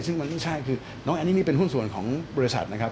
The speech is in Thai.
ซึ่งมันไม่ใช่คือน้องแอนนี่เป็นหุ้นส่วนของบริษัทนะครับ